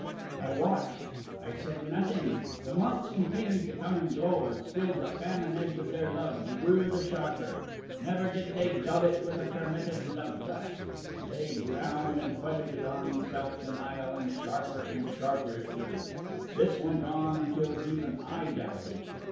"I watched. I said nothing. The months continued to come and go, and still the famine edge of their love grew the sharper. Never did they dull it with a permitted love clasp. They ground and whetted it on self denial, and sharper and sharper it grew. This went on until even I doubted.